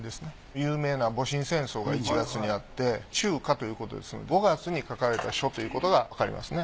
有名な戊辰戦争が１月にあって仲夏ということですので５月に書かれた書ということがわかりますね。